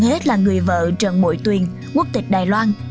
hơn hết là người vợ trần bội tuyền quốc tịch đài loan